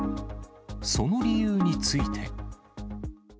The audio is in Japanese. その理由について。